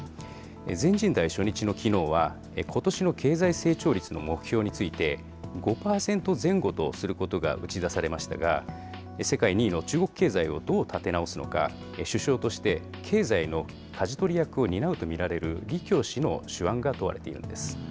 全人代初日のきのうは、ことしの経済成長率の目標について、５％前後とすることが打ち出されましたが、世界２位の中国経済をどう立て直すのか、首相として経済のかじ取り役を担うと見られる李強氏の手腕が問われているんです。